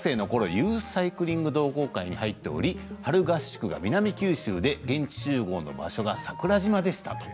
ユースサイクリング同好会に入っており春合宿が南九州で桜島でした。